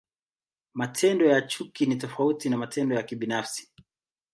Matendo ya chuki ni tofauti na matendo ya kibinafsi.